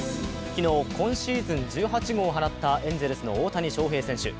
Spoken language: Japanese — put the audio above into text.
昨日、今シーズン１８号を放ったエンゼルスの大谷翔平選手。